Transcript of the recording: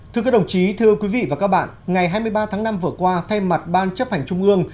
thưa các đồng chí thưa quý vị và các bạn ngày hai mươi ba tháng năm vừa qua thay mặt ban chấp hành trung ương